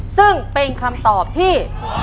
ซึ่งเป็นคำตอบที่